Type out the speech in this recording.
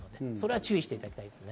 注意していただきたいです。